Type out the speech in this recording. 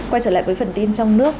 quay trở lại với phần tin trong nước